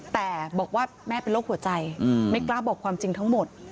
แต่บอกว่าแม่เป็นโรคหัวใจไม่กล้าบอกความจริงทั้งหมด